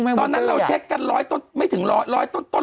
ตอนนั้นเราเช็คกันไม่ถึงร้อยร้อยต้น๑๒๐